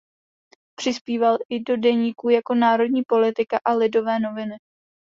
Přispíval i do deníků jako Národní politika a Lidové noviny.